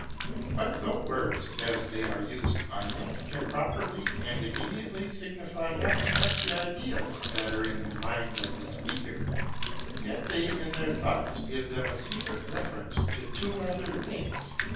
But though words, as they are used by men, can properly and immediately signify nothing but the ideas that are in the mind of the speaker; yet they in their thoughts give them a secret reference to two other things.